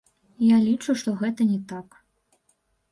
Я лічу, што гэта не так.